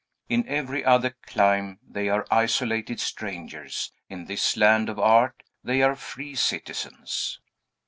In every other clime they are isolated strangers; in this land of art, they are free citizens.